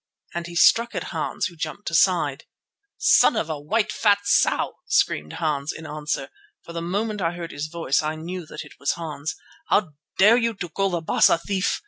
And he struck at Hans, who jumped aside. "Son of a fat white sow," screamed Hans in answer (for the moment I heard his voice I knew that it was Hans), "did you dare to call the Baas a thief?